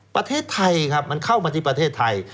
ประเทศไทยครับมันเข้ามาที่ประเทศไทย